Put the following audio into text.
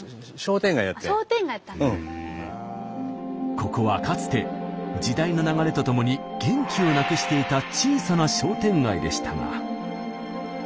ここはかつて時代の流れとともに元気をなくしていた小さな商店街でしたが。